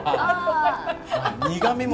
苦みも。